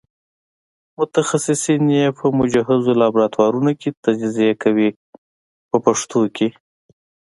متخصصین یې په مجهزو لابراتوارونو کې تجزیه کوي په پښتو کې.